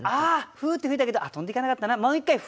フーッて吹いたけど飛んでいかなかったなもう一回フーッと。